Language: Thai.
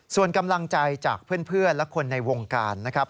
ส่วนกำลังใจจากเพื่อนและคนในวงการนะครับ